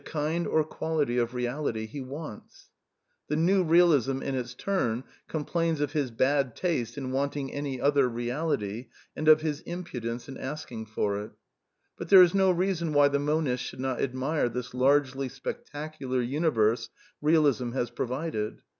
««««H,d«««uiBaatitiss, it doea fiot give or prof e« New Realism, in its turn, complains oi lisT&ad taste in wanting any other reality and of his impudence in asking for it But there is no reason why the monist should not admire this largely spectacular universe Realism has pro vided.